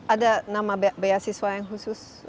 ada nama beasiswa yang khusus